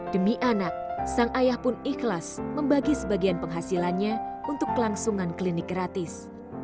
demi anak sang ayah pun ikhlas membagi sebagian penghasilannya untuk kelangsungan klinik gratis